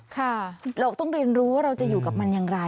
ค่ะเราต้องเรียนรู้ว่าเราจะอยู่กับมันอย่างไร